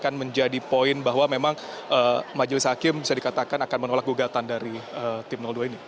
akan menjadi poin bahwa memang majelis hakim bisa dikatakan akan menolak gugatan dari tim dua ini